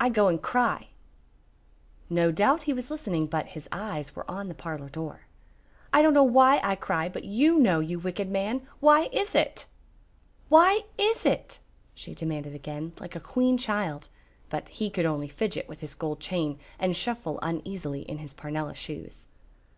I go and cry." No doubt he was listening, but his eyes were on the parlor door. "I don't know why I cry, but you know, you wicked man! Why is it?" "Why is it?" she demanded again, like a queen child, but he could only fidget with his gold chain and shuffle uneasily in his parnella shoes.